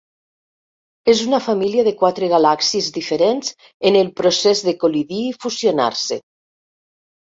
És una família de quatre galàxies diferents en el procés de col·lidir i fusionar-se.